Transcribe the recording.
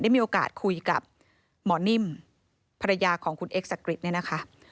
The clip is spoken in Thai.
มีโอกาสคุยกับหมอนิ่มภรรยาของคุณเอ็กซักกริจเนี่ยนะคะ